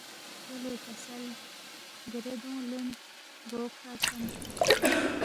یلے کسل دیرے دونگ لینس، گو کھروا چھمس